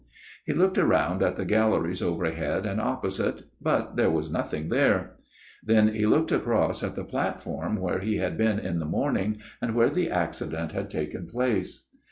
He looked around at the galleries overhead and opposite; but there was nothing there. " Then he looked across at the platform where he had been in the morning and where the accident had taken place.